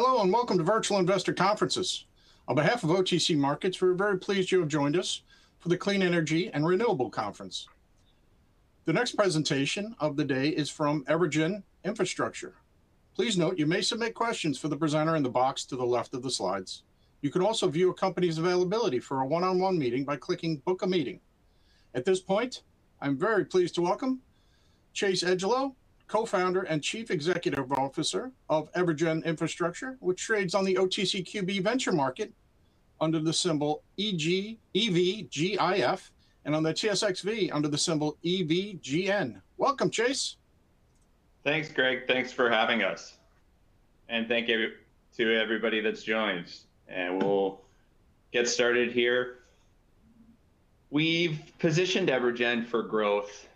Hello, welcome to Virtual Investor Conferences. On behalf of OTC Markets, we're very pleased you have joined us for the Clean Energy and Renewable Conference. The next presentation of the day is from EverGen Infrastructure. Please note you may submit questions for the presenter in the box to the left of the slides. You can also view a company's availability for a one-on-one meeting by clicking Book a Meeting. At this point, I'm very pleased to welcome Chase Edgelow, Co-founder and Chief Executive Officer of EverGen Infrastructure, which trades on the OTCQB Venture Market under the symbol EVGIF, and on the TSXV under the symbol EVGN. Welcome, Chase. Thanks, Greg. Thanks for having us. Thank you to everybody that's joined, and we'll get started here. We've positioned EverGen for growth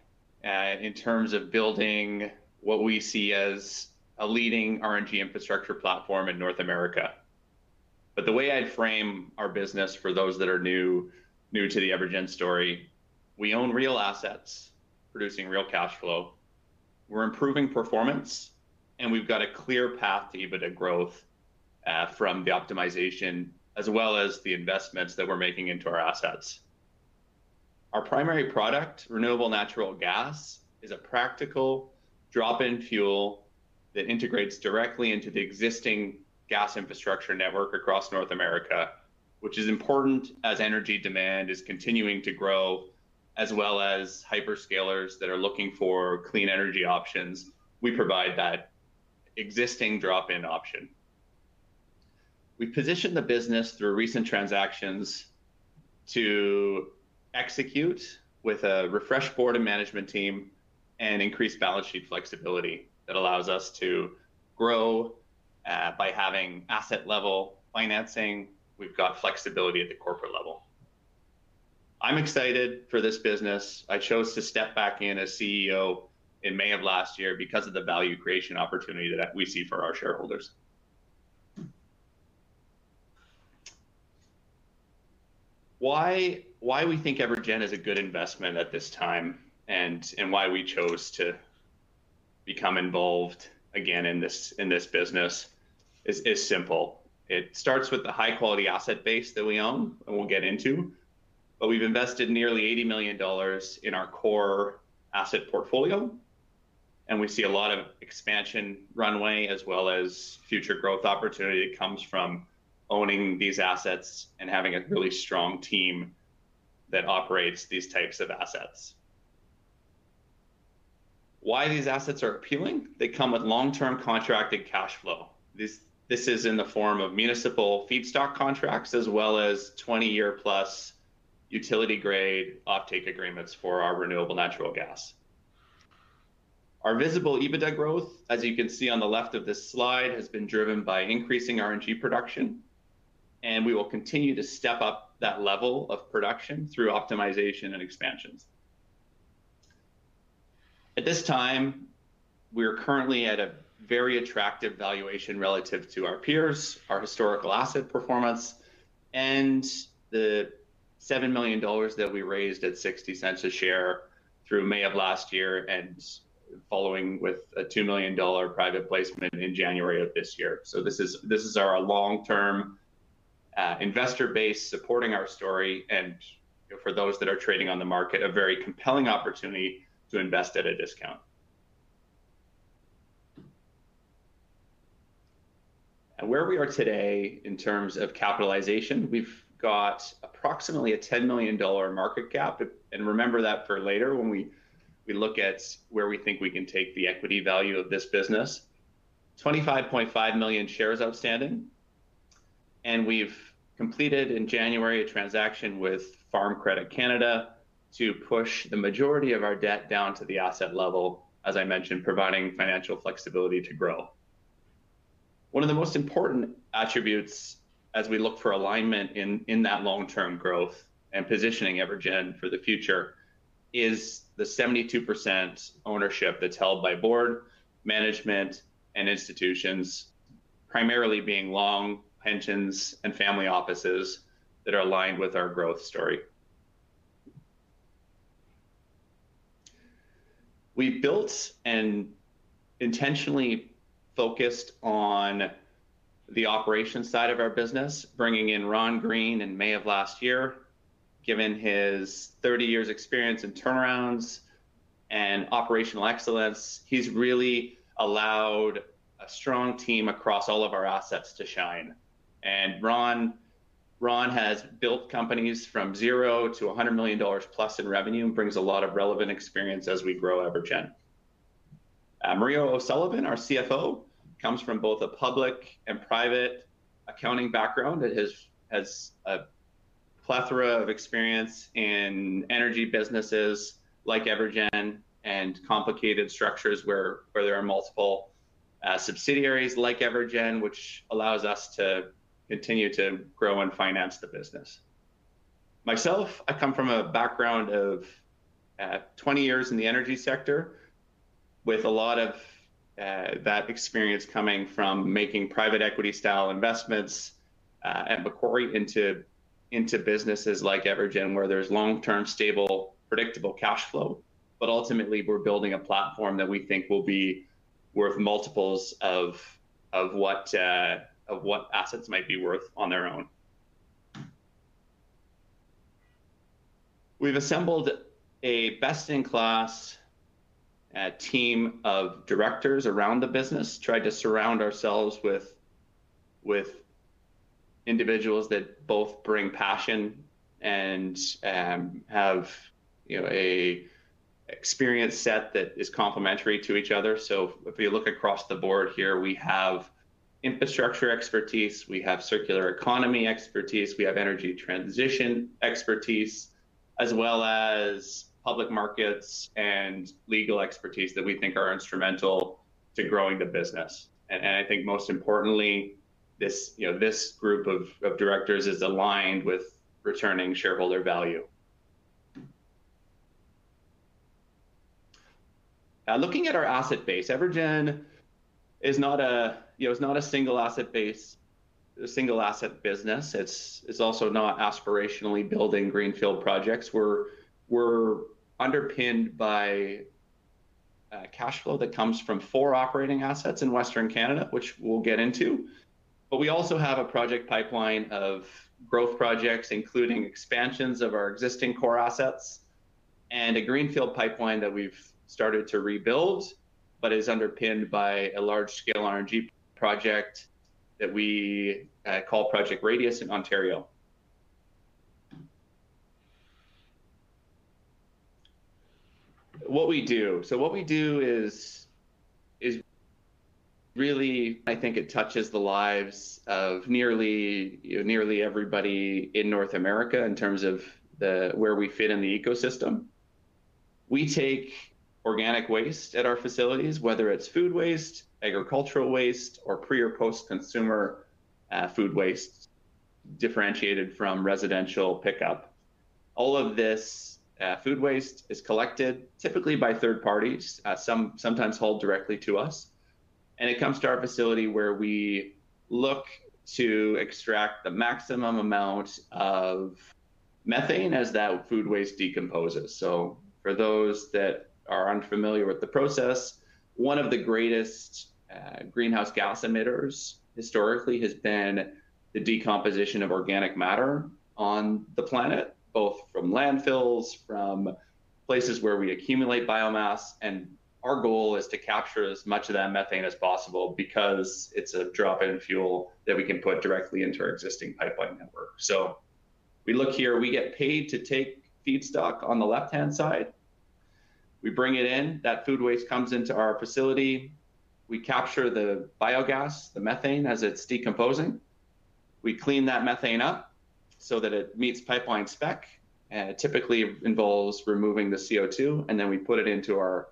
in terms of building what we see as a leading RNG infrastructure platform in North America. The way I'd frame our business for those that are new to the EverGen story, we own real assets producing real cash flow. We're improving performance, and we've got a clear path to EBITDA growth from the optimization, as well as the investments that we're making into our assets. Our primary product, renewable natural gas, is a practical drop-in fuel that integrates directly into the existing gas infrastructure network across North America, which is important as energy demand is continuing to grow, as well as hyperscalers that are looking for clean energy options. We provide that existing drop-in option. We positioned the business through recent transactions to execute with a refreshed board and management team and increased balance sheet flexibility that allows us to grow by having asset-level financing. We've got flexibility at the corporate level. I'm excited for this business. I chose to step back in as CEO in May of last year because of the value creation opportunity that we see for our shareholders. Why we think EverGen is a good investment at this time and why we chose to become involved again in this, in this business is simple. It starts with the high-quality asset base that we own, and we'll get into, but we've invested nearly 80 million dollars in our core asset portfolio, and we see a lot of expansion runway as well as future growth opportunity that comes from owning these assets and having a really strong team that operates these types of assets. Why these assets are appealing? They come with long-term contracted cash flow. This is in the form of municipal feedstock contracts as well as 20-year plus utility-grade offtake agreements for our renewable natural gas. Our visible EBITDA growth, as you can see on the left of this slide, has been driven by increasing RNG production, and we will continue to step up that level of production through optimization and expansions. At this time, we're currently at a very attractive valuation relative to our peers, our historical asset performance, and the 7 million dollars that we raised at 0.60 a share through May of last year and following with a 2 million dollar private placement in January of this year. This is our long-term investor base supporting our story, and for those that are trading on the market, a very compelling opportunity to invest at a discount. Where we are today in terms of capitalization, we've got approximately a 10 million dollar market cap. Remember that for later when we look at where we think we can take the equity value of this business. 25.5 million shares outstanding. We've completed in January a transaction with Farm Credit Canada to push the majority of our debt down to the asset level, as I mentioned, providing financial flexibility to grow. One of the most important attributes as we look for alignment in that long-term growth and positioning EverGen for the future is the 72% ownership that's held by board, management, and institutions, primarily being long pensions and family offices that are aligned with our growth story. We built and intentionally focused on the operations side of our business, bringing in Ron Green in May of last year. Given his 30 years experience in turnarounds and operational excellence, he's really allowed a strong team across all of our assets to shine. Ron has built companies from zero to CAD 100+million in revenue and brings a lot of relevant experience as we grow EverGen. Maria O'Sullivan, our CFO, comes from both a public and private accounting background that has a plethora of experience in energy businesses like EverGen and complicated structures where there are multiple subsidiaries like EverGen, which allows us to continue to grow and finance the business. Myself, I come from a background of 20 years in the energy sector with a lot of that experience coming from making private equity style investments at Macquarie into businesses like EverGen, where there's long-term, stable, predictable cash flow. Ultimately, we're building a platform that we think will be worth multiples of what assets might be worth on their own. We've assembled a best-in-class team of directors around the business, tried to surround ourselves with individuals that both bring passion and have, you know, a experience set that is complementary to each other. If you look across the board here, we have infrastructure expertise, we have circular economy expertise, we have energy transition expertise, as well as public markets and legal expertise that we think are instrumental to growing the business. I think most importantly, this, you know, this group of directors is aligned with returning shareholder value. Now looking at our asset base, EverGen is not a, you know, is not a single asset base, single asset business. It's also not aspirationally building greenfield projects. We're underpinned by cash flow that comes from four operating assets in Western Canada, which we'll get into. We also have a project pipeline of growth projects, including expansions of our existing core assets, and a greenfield pipeline that we've started to rebuild, but is underpinned by a large-scale RNG project that we call Project Radius in Ontario. What we do. What we do is really, I think it touches the lives of nearly, you know, nearly everybody in North America in terms of where we fit in the ecosystem. We take organic waste at our facilities, whether it's food waste, agricultural waste, or pre or post-consumer food waste differentiated from residential pickup. All of this food waste is collected typically by third parties, sometimes hauled directly to us, and it comes to our facility where we look to extract the maximum amount of methane as that food waste decomposes. For those that are unfamiliar with the process, one of the greatest greenhouse gas emitters historically has been the decomposition of organic matter on the planet, both from landfills, from places where we accumulate biomass, and our goal is to capture as much of that methane as possible because it's a drop-in fuel that we can put directly into our existing pipeline network. We look here, we get paid to take feedstock on the left-hand side. We bring it in, that food waste comes into our facility. We capture the biogas, the methane as it's decomposing. We clean that methane up so that it meets pipeline spec, and it typically involves removing the CO2, and then we put it into our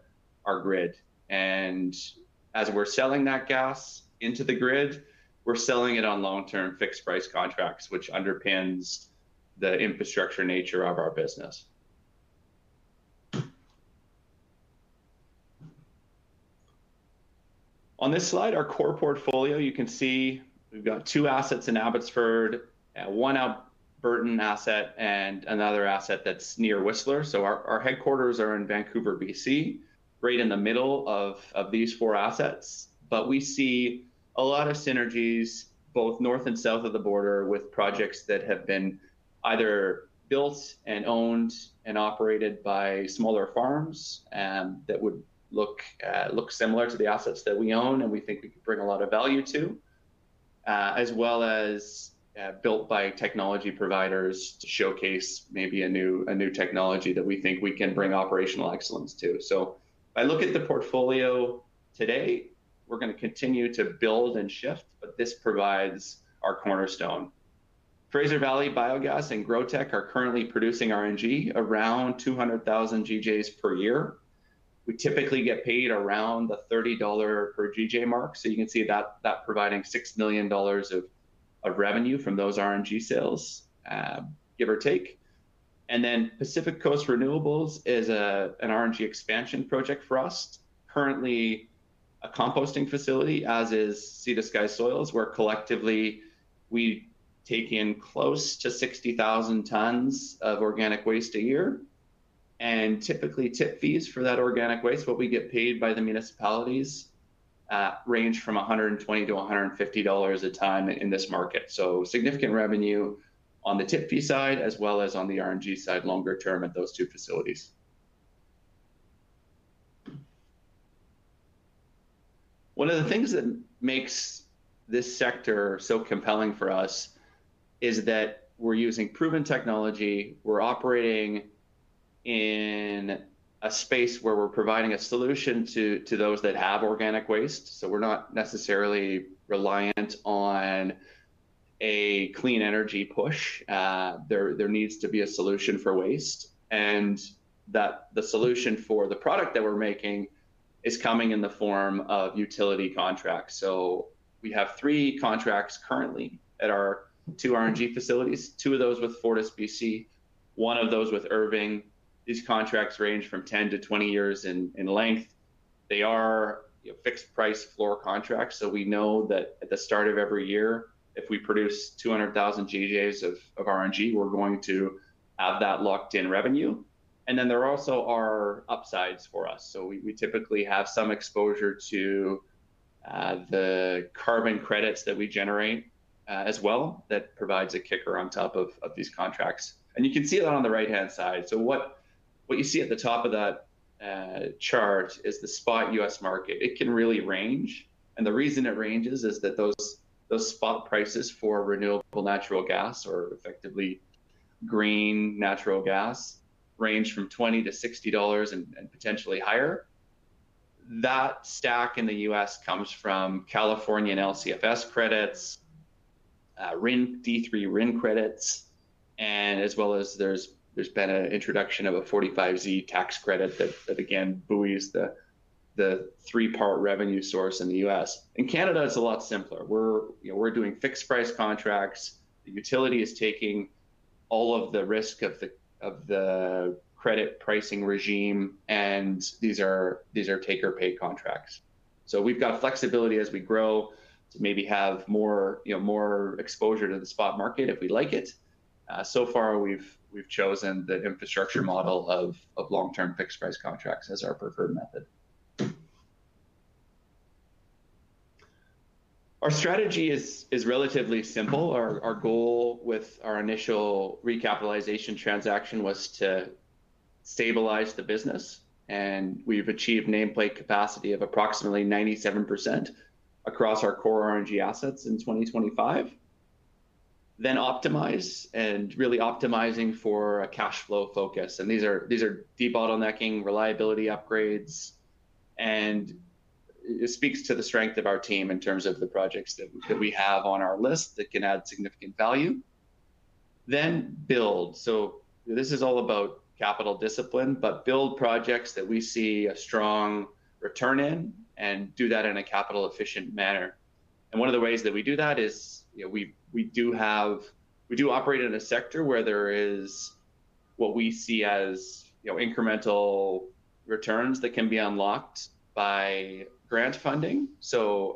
grid. As we're selling that gas into the grid, we're selling it on long-term fixed price contracts, which underpins the infrastructure nature of our business. On this slide, our core portfolio, you can see we've got two assets in Abbotsford, one out Burton asset and another asset that's near Whistler. Our headquarters are in Vancouver, BC, right in the middle of these four assets. We see a lot of synergies both north and south of the border with projects that have been either built and owned and operated by smaller farms that would look similar to the assets that we own and we think we could bring a lot of value to, as well as built by technology providers to showcase maybe a new technology that we think we can bring operational excellence to. If I look at the portfolio today, we're gonna continue to build and shift, but this provides our cornerstone. Fraser Valley Biogas and GrowTEC are currently producing RNG, around 200,000 GJs per year. We typically get paid around the 30 dollar per GJ mark, so you can see that providing 6 million dollars of revenue from those RNG sales, give or take. Pacific Coast Renewables is an RNG expansion project for us, currently a composting facility, as is Sea to Sky Soils, where collectively we take in close to 60,000 tons of organic waste a year. Typically, tip fees for that organic waste, what we get paid by the municipalities, range from 120-150 dollars a ton in this market. Significant revenue on the tip fee side as well as on the RNG side longer term at those two facilities. One of the things that makes this sector compelling for us is that we're using proven technology. We're operating in a space where we're providing a solution to those that have organic waste. We're not necessarily reliant on a clean energy push. There needs to be a solution for waste, and that the solution for the product that we're making is coming in the form of utility contracts. We have three contracts currently at our two RNG facilities, two of those with FortisBC, one of those with Irving. These contracts range from 10 years-20 years in length. They are fixed price floor contracts. We know that at the start of every year, if we produce 200,000 GJs of RNG, we're going to have that locked in revenue. There also are upsides for us. We typically have some exposure to the carbon credits that we generate as well that provides a kicker on top of these contracts. You can see that on the right-hand side. What you see at the top of that chart is the spot U.S. market. It can really range. The reason it ranges is that those spot prices for renewable natural gas or effectively green natural gas range from $20-60 and potentially higher. That stack in the U.S. comes from California and LCFS credits, RIN D3 RIN credits, and as well as there's been an introduction of a 45Z tax credit that again buoys the three-part revenue source in the U.S. In Canada, it's a lot simpler. We're doing fixed price contracts. The utility is taking all of the risk of the credit pricing regime. These are take or pay contracts. We've got flexibility as we grow to maybe have more exposure to the spot market if we like it. So far, we've chosen the infrastructure model of long-term fixed price contracts as our preferred method. Our strategy is relatively simple. Our goal with our initial recapitalization transaction was to stabilize the business. We've achieved nameplate capacity of approximately 97% across our core RNG assets in 2025. Optimize and really optimizing for a cash flow focus. These are debottlenecking reliability upgrades. It speaks to the strength of our team in terms of the projects that we have on our list that can add significant value. Build. This is all about capital discipline, but build projects that we see a strong return in and do that in a capital efficient manner. One of the ways that we do that is we do operate in a sector where there is what we see as incremental returns that can be unlocked by grant funding.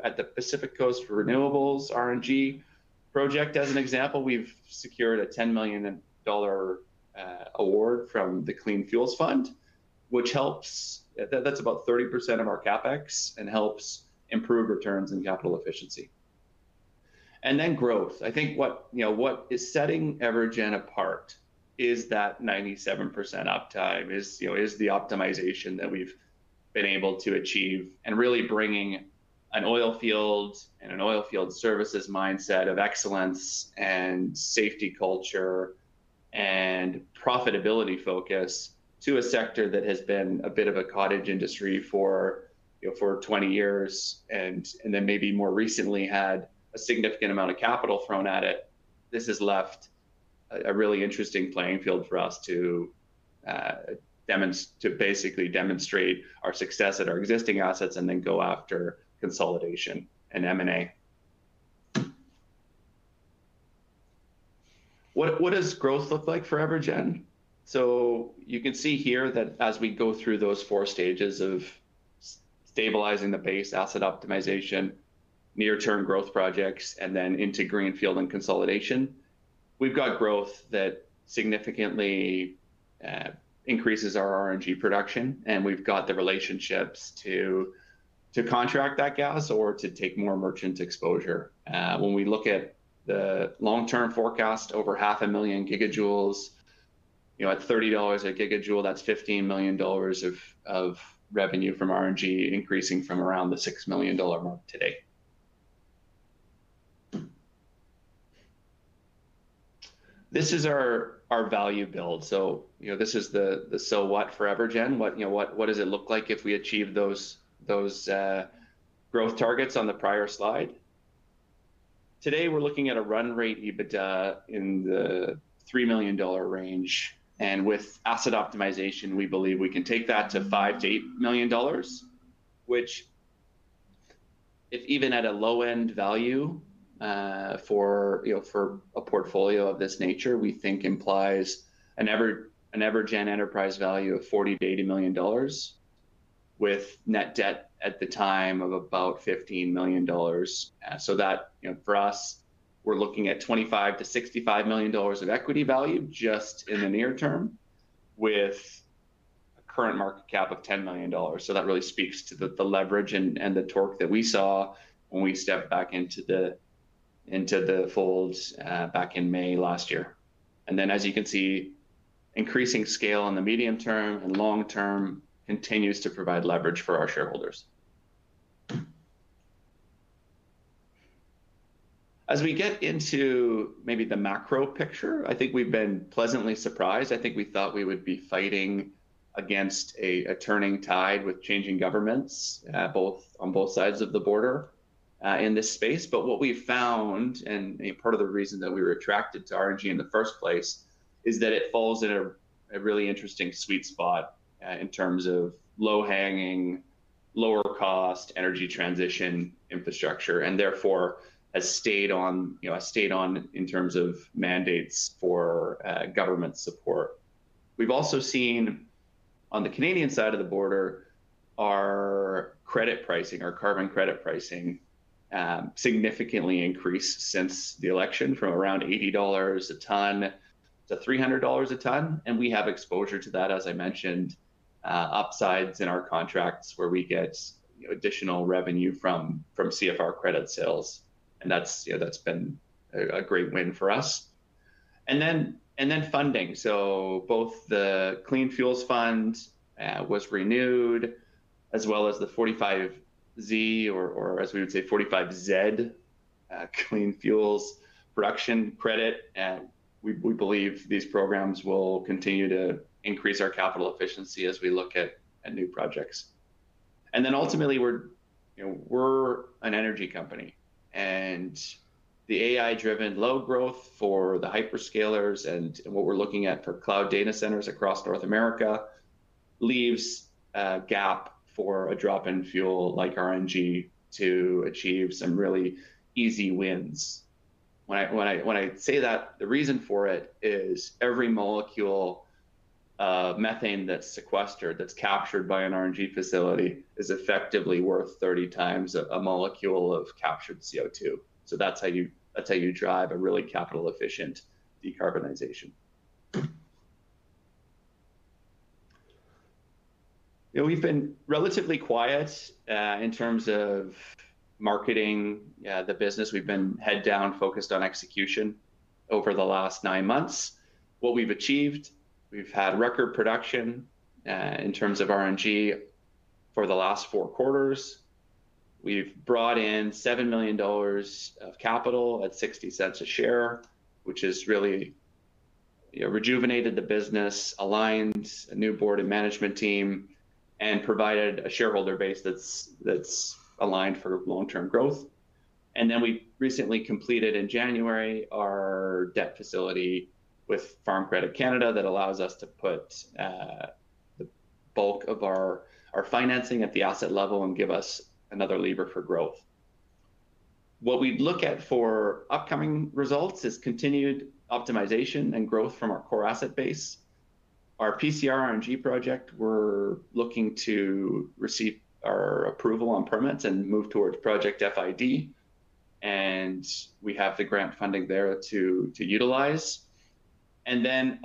At the Pacific Coast Renewables RNG project, as an example, we've secured a 10 million dollar award from the Clean Fuels Fund, which helps. That's about 30% of our CapEx and helps improve returns and capital efficiency. Growth. I think what is setting EverGen apart is that 97% uptime is the optimization that we've been able to achieve and really bringing an oil field and an oil field services mindset of excellence and safety culture and profitability focus to a sector that has been a bit of a cottage industry for 20 years and then maybe more recently had a significant amount of capital thrown at it. This has left a really interesting playing field for us to basically demonstrate our success at our existing assets and then go after consolidation and M&A. What does growth look like for EverGen? You can see here that as we go through those four stages of stabilizing the base asset optimization, near-term growth projects, and then into greenfield and consolidation, we've got growth that significantly increases our RNG production and we've got the relationships to contract that gas or to take more merchant exposure. When we look at the long-term forecast, over half a million gigajoules, at 30 dollars a gigajoule, that's 15 million dollars of revenue from RNG increasing from around the 6 million dollar mark today. This is our value build. This is the so what for EverGen? What does it look like if we achieve those growth targets on the prior slide? Today, we're looking at a run rate EBITDA in the 3 million dollar range. With asset optimization, we believe we can take that to 5 million-8 million dollars, which if even at a low-end value for a portfolio of this nature, we think implies an EverGen enterprise value of 40 million-80 million dollars with net debt at the time of about 15 million dollars. That for us, we're looking at 25 million-65 million dollars of equity value just in the near term with a current market cap of 10 million dollars. That really speaks to the leverage and the torque that we saw when we stepped back into the fold back in May last year. As you can see, increasing scale in the medium term and long term continues to provide leverage for our shareholders. As we get into maybe the macro picture, I think we've been pleasantly surprised. I think we thought we would be fighting against a turning tide with changing governments on both sides of the border in this space. What we've found, and part of the reason that we were attracted to RNG in the first place, is that it falls in a really interesting sweet spot in terms of low-hanging, lower-cost energy transition infrastructure, and therefore a stayed-on in terms of mandates for government support. We've also seen on the Canadian side of the border, our credit pricing, our carbon credit pricing, significantly increased since the election from around 80 dollars a ton-CAD 300 a ton. We have exposure to that, as I mentioned, upsides in our contracts where we get, you know, additional revenue from CFR credit sales. That's, you know, that's been a great win for us. Funding. Both the Clean Fuels Fund was renewed, as well as the 45Z Clean Fuel Production Credit. We believe these programs will continue to increase our capital efficiency as we look at new projects. Ultimately, we're, you know, we're an energy company. The AI-driven load growth for the hyperscalers and what we're looking at for cloud data centers across North America leaves a gap for a drop-in fuel like RNG to achieve some really easy wins. When I say that, the reason for it is every molecule of methane that's sequestered, that's captured by an RNG facility is effectively worth 30x a molecule of captured CO2. That's how you drive a really capital-efficient decarbonization. You know, we've been relatively quiet in terms of marketing the business. We've been head down, focused on execution over the last nine months. What we've achieved, we've had record production in terms of RNG for the last four quarters. We've brought in 7 million dollars of capital at 0.60 a share, which has really, you know, rejuvenated the business, aligned a new board and management team, and provided a shareholder base that's aligned for long-term growth. We recently completed in January our debt facility with Farm Credit Canada that allows us to put the bulk of our financing at the asset level and give us another lever for growth. What we look at for upcoming results is continued optimization and growth from our core asset base. Our PCR RNG project, we're looking to receive our approval on permits and move towards project FID. We have the grant funding there to utilize.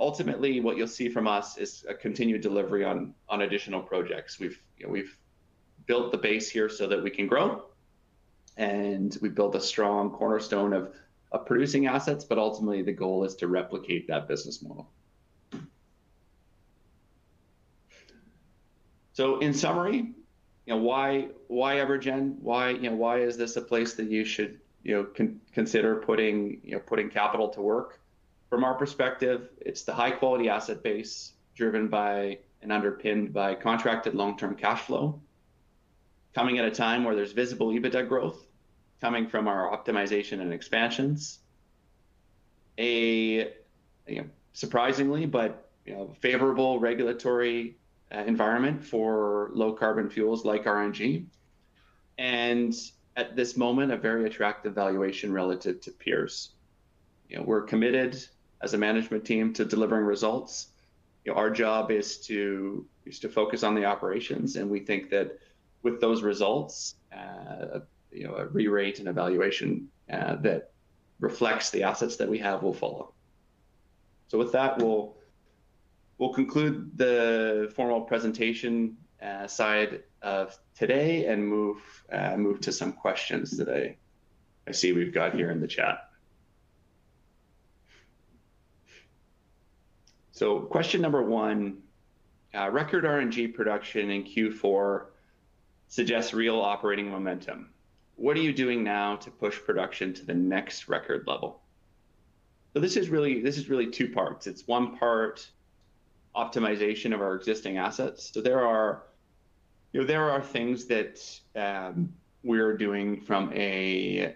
Ultimately, what you'll see from us is a continued delivery on additional projects. We've, you know, built the base here so that we can grow. We've built a strong cornerstone of producing assets, ultimately the goal is to replicate that business model. In summary, you know, why EverGen? Why, you know, is this a place that you should, you know, consider putting, you know, capital to work? From our perspective, it's the high-quality asset base driven by and underpinned by contracted long-term cash flow, coming at a time where there's visible EBITDA growth coming from our optimization and expansions. You know, surprisingly, but, you know, favorable regulatory environment for low-carbon fuels like RNG. At this moment, a very attractive valuation relative to peers. You know, we're committed as a management team to delivering results. You know, our job is to focus on the operations. We think that with those results, you know, a re-rate and evaluation that reflects the assets that we have will follow. With that, we'll conclude the formal presentation side of today and move to some questions that I see we've got here in the chat. Question number one, record RNG production in Q4 suggests real operating momentum. What are you doing now to push production to the next record level? This is really two parts. It's one part optimization of our existing assets. There are, you know, there are things that we're doing from a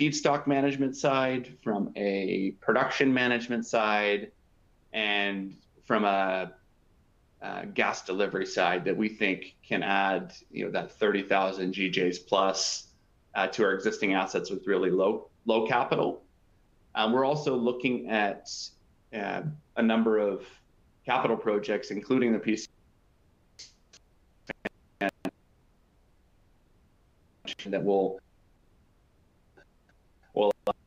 feedstock management side, from a production management side, and from a gas delivery side that we think can add, you know, that 30,000+ GJs to our existing assets with really low capital. We're also looking at a number of capital projects, including the piece that will in the RNG.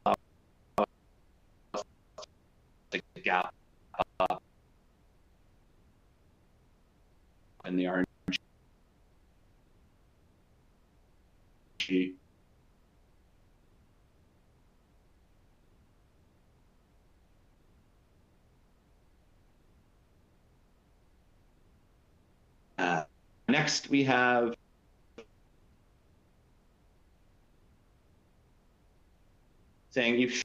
Next we have saying you've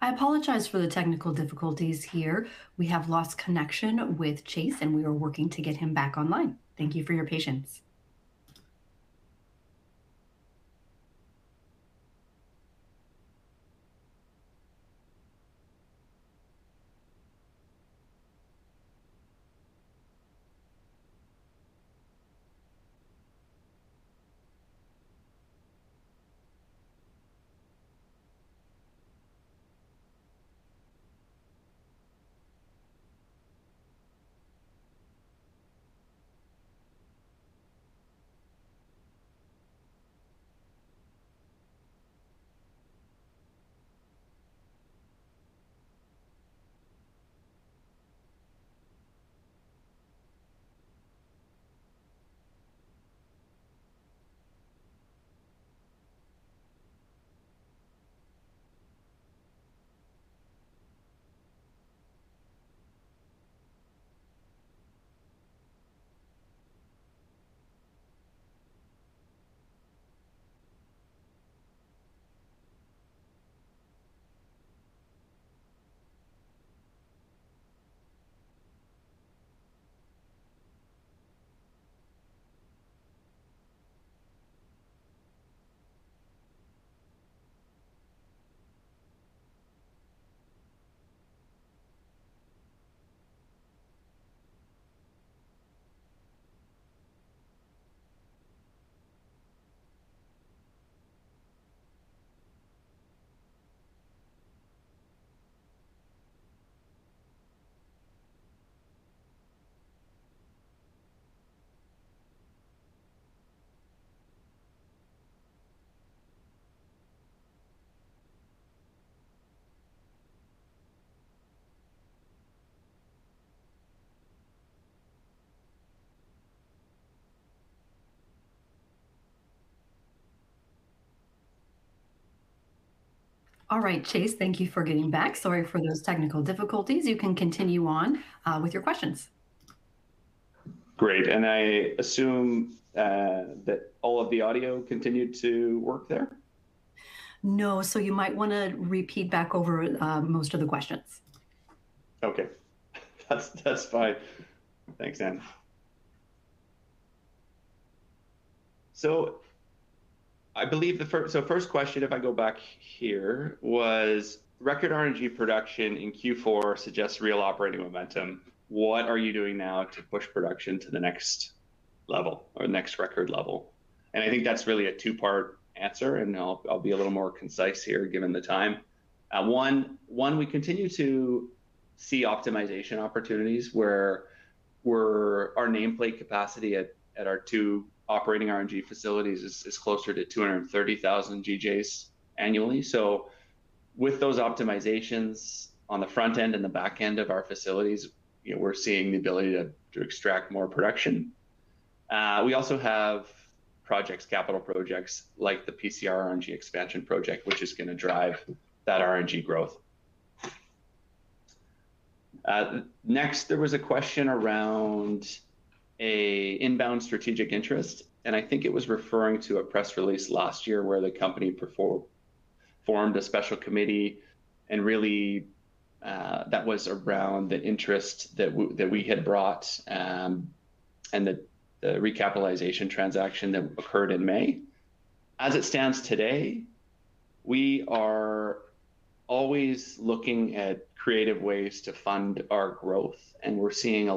I apologize for the technical difficulties here. We have lost connection with Chase, and we are working to get him back online. Thank you for your patience. All right, Chase. Thank you for getting back. Sorry for those technical difficulties. You can continue on with your questions. Great. I assume, that all of the audio continued to work there? No. You might wanna repeat back over, most of the questions. Okay. That's fine. Thanks, Anna. I believe first question if I go back here was: Record RNG production in Q4 suggests real operating momentum. What are you doing now to push production to the next level or next record level? I think that's really a two-part answer, and I'll be a little more concise here given the time. One, we continue to see optimization opportunities where our nameplate capacity at our two operating RNG facilities is closer to 230,000 GJs annually. With those optimizations on the front end and the back end of our facilities, you know, we're seeing the ability to extract more production. We also have projects, capital projects like the PCR RNG expansion project, which is gonna drive that RNG growth. Next, there was a question around an inbound strategic interest. I think it was referring to a press release last year where the company formed a special committee. Really, that was around the interest that we had brought, and the recapitalization transaction that occurred in May. As it stands today, we are always looking at creative ways to fund our growth. We're seeing a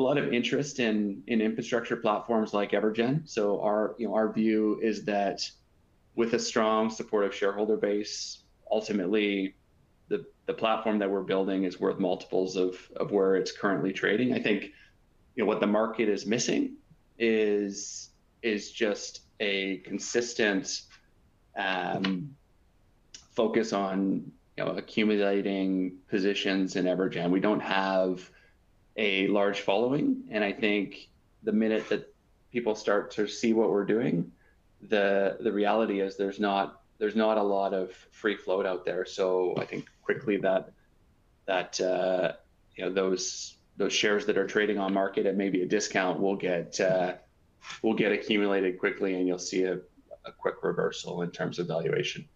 lot of interest in infrastructure platforms like EverGen. Our, you know, our view is that with a strong supportive shareholder base, ultimately the platform that we're building is worth multiples of where it's currently trading. I think, you know, what the market is missing is just a consistent focus on, you know, accumulating positions in EverGen. We don't have a large following, I think the minute that people start to see what we're doing, the reality is there's not a lot of free float out there. I think quickly that, you know, those shares that are trading on market at maybe a discount will get accumulated quickly, and you'll see a quick reversal in terms of valuation.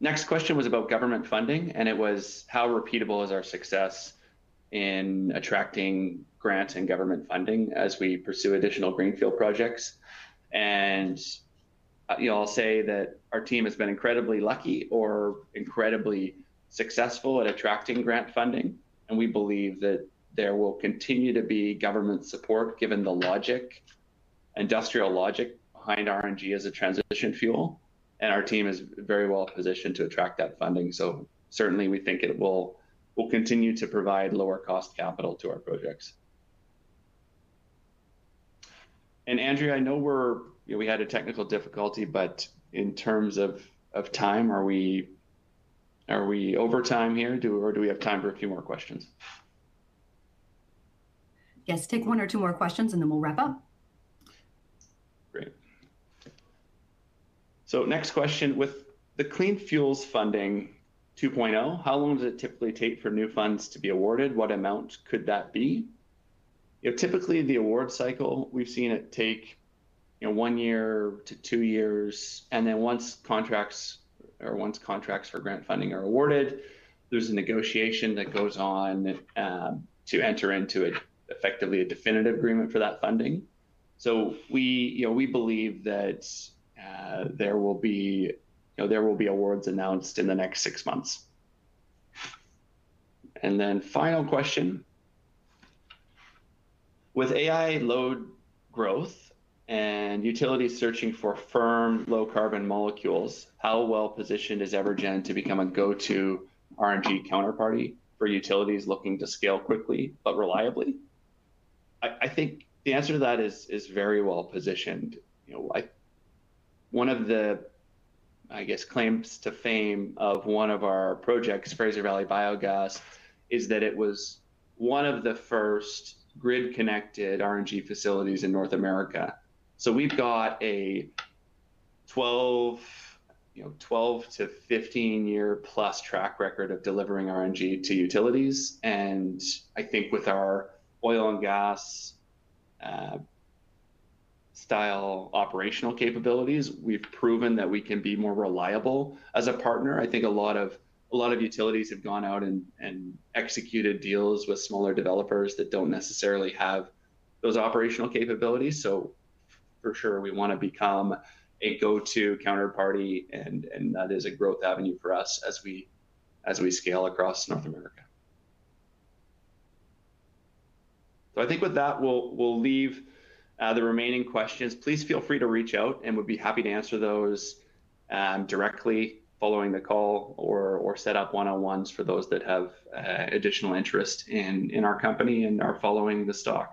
Next question was about government funding. It was: How repeatable is our success in attracting grants and government funding as we pursue additional greenfield projects? You know, I'll say that our team has been incredibly lucky or incredibly successful at attracting grant funding. We believe that there will continue to be government support given the logic, industrial logic behind RNG as a transition fuel. Our team is very well-positioned to attract that funding. Certainly we think it will continue to provide lower cost capital to our projects. Andrea, I know we're... You know, we had a technical difficulty, but in terms of time, are we over time here? Do we have time for a few more questions? Yes. Take one or two more questions, and then we wrap up. Great. Next question: With the Clean Fuels Funding 2.0, how long does it typically take for new funds to be awarded? What amount could that be? You know, typically the award cycle, we've seen it take, you know, one year-two years. Once contracts for grant funding are awarded, there's a negotiation that goes on to enter into it, effectively a definitive agreement for that funding. We, you know, we believe that there will be, you know, there will be awards announced in the next six months. Final question: With AI load growth and utilities searching for firm low-carbon molecules, how well-positioned is EverGen to become a go-to RNG counterparty for utilities looking to scale quickly but reliably? I think the answer to that is very well-positioned. You know, I... One of the, I guess, claims to fame of one of our projects, Fraser Valley Biogas, is that it was one of the first grid-connected RNG facilities in North America. We've got a 12, you know, 12-year to 15-year-plus track record of delivering RNG to utilities. I think with our oil and gas style operational capabilities, we've proven that we can be more reliable as a partner. I think a lot of utilities have gone out and executed deals with smaller developers that don't necessarily have those operational capabilities. For sure, we wanna become a go-to counterparty, and that is a growth avenue for us as we scale across North America. I think with that, we'll leave the remaining questions. Please feel free to reach out, and we'd be happy to answer those directly following the call or set up one-on-ones for those that have additional interest in our company and are following the stock.